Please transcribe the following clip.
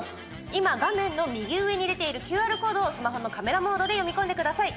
今、画面の右上に出ているＱＲコードをスマホのカメラモードで読み込んでください。